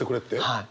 はい。